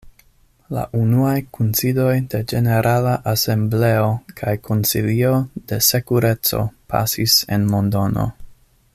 La unuaj kunsidoj de Ĝenerala Asembleo kaj Konsilio de Sekureco pasis en Londono.